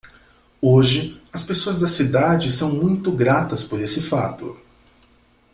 Hoje, as pessoas da cidade são muito gratas por esse fato.